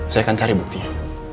saya akan cari buktinya